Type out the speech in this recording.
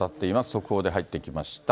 速報で入ってきました。